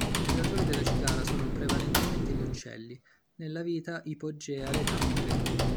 I predatori della cicala sono prevalentemente gli uccelli; nella vita ipogea le talpe.